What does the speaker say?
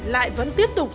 lại vẫn tiếp tục